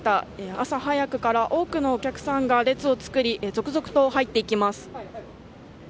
朝早くから多くのお客さんが列を作り続々と入っていきます。